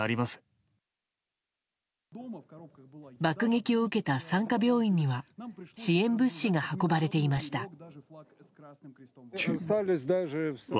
爆撃を受けた産科病院には支援物資が運ばれていました。